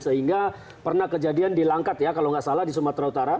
sehingga pernah kejadian di langkat ya kalau nggak salah di sumatera utara